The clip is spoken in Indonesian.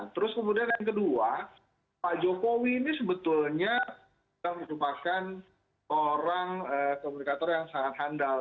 terus kemudian yang kedua pak jokowi ini sebetulnya merupakan orang komunikator yang sangat handal